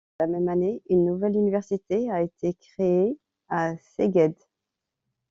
La même année une nouvelle université a été créée à Szeged.